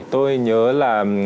tôi nhớ là